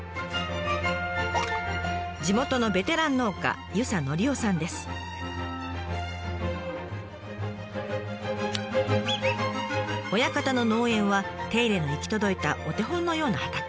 地元のベテラン農家親方の農園は手入れの行き届いたお手本のような畑。